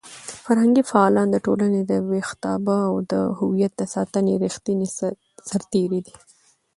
فرهنګي فعالان د ټولنې د ویښتابه او د هویت د ساتنې ریښتیني سرتېري دي.